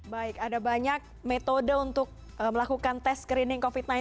baik ada banyak metode untuk melakukan tes screening covid sembilan belas